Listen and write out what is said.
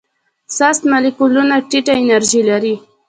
سست مالیکولونه ټیټه انرژي لري.